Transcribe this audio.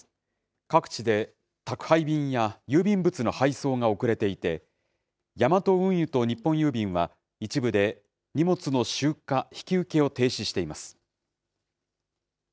各地で、宅配便や郵便物の配送が遅れていて、ヤマト運輸と日本郵便は、一部で荷物の集荷、引き受けを停止しています。